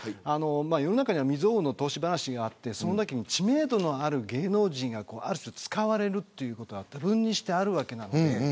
世の中には未曾有の投資話があって知名度のある芸能人がある種使われることは多分にして、あるわけなので。